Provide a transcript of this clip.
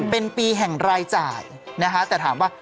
เป็นปีแห่งรายจ่ายนะคะแต่ถามว่า